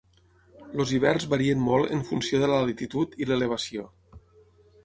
Els hiverns varien molt en funció de la latitud i l'elevació.